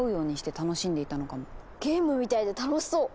ゲームみたいで楽しそう！